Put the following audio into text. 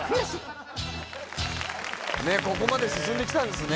ここまで進んできたんですね。